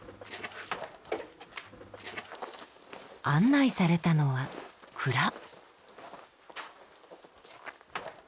案内されたのは蔵。